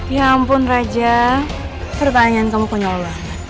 ya ampun raja pertanyaan kamu punya allah